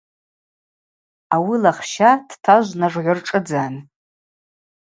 Ауи лахща дтажв нажгӏвыршӏыдзан.